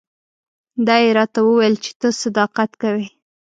دا یې راته وویل چې ته صداقت کوې.